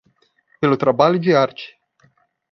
Pelo trabalho de arte